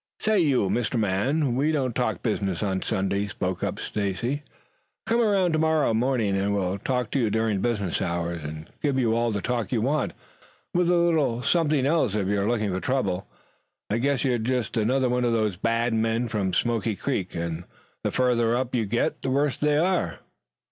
"Say, you Mister Man, we don't talk business on Sunday," spoke up Stacy. "Come around tomorrow morning and we'll talk to you during business hours and give you all the talk you want, with a little something else it you are looking for trouble. I guess you're another of those bad men from Smoky Creek, and the further up you get the worse they are."